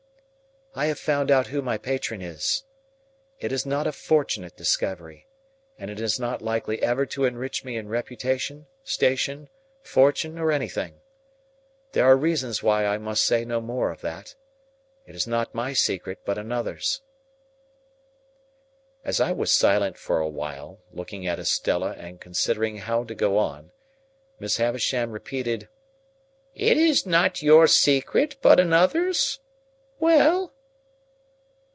"I have found out who my patron is. It is not a fortunate discovery, and is not likely ever to enrich me in reputation, station, fortune, anything. There are reasons why I must say no more of that. It is not my secret, but another's." As I was silent for a while, looking at Estella and considering how to go on, Miss Havisham repeated, "It is not your secret, but another's. Well?"